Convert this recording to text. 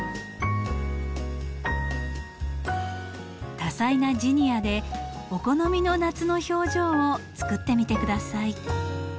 多彩なジニアでお好みの夏の表情を作ってみて下さい。